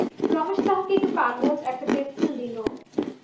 রমেশ তাহাকে একটু কাগজ, একটা পেনসিল দিল।